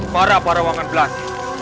para parawangan belas